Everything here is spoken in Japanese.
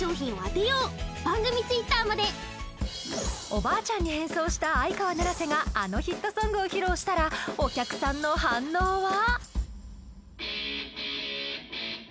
おばあちゃんに変装した相川七瀬があのヒットソングを披露したらお客さんの反応は？